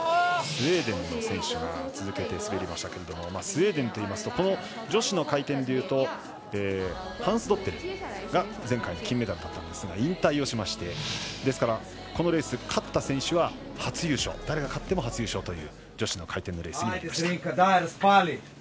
スウェーデンの選手が続けて滑りましたけどもスウェーデンといいますと女子の回転でいうとハンスドッテルが前回の金メダルだったんですが引退をしましてですから、このレース勝った選手は誰が勝っても初優勝という女子の回転のレースになりました。